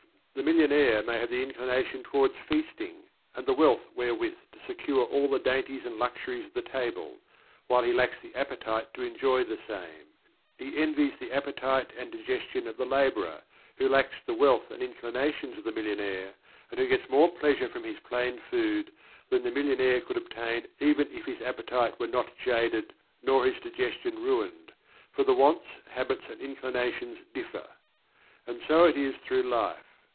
The millionaire may have the inclination toward feasting, and the wealth wherewith to secure all the dainties and luxuries of the table, while he lacks the appetite to enjoy the same; he envies the appetite and digestion of the laborer who lacks the wealth and inclinations of the millionaire, and who gets more pleasure from his plain food than the millionaire could obtain even if his appetite were not jaded, nor his digestion ruined, for the wants, habits and inclinations differ. And so it is through life.